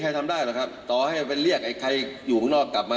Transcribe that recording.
ใครก็ไม่รู้ว่า